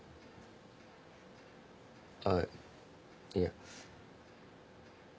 あっいや。